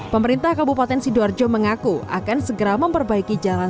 pemerintah kabupaten sidoarjo mengaku akan segera memperbaiki jalan